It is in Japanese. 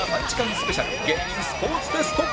スペシャル芸人スポーツテスト